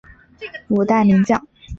五代名将。